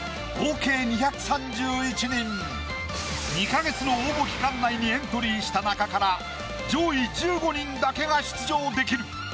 ２か月の応募期間内にエントリーした中から上位１５人だけが出場できる。